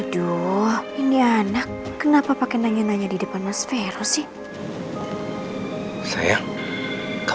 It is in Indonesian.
doh ini anak kenapa pakai nanya nanya di depan mas vero sih